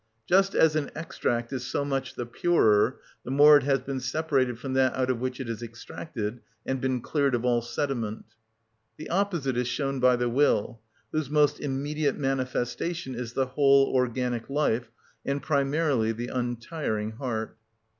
Just as an extract is so much the purer the more it has been separated from that out of which it is extracted and been cleared of all sediment. The opposite is shown by the will, whose most immediate manifestation is the whole organic life, and primarily the untiring heart.